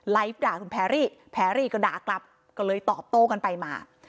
ด่าคุณแพรรี่แพรรี่ก็ด่ากลับก็เลยตอบโต้กันไปมา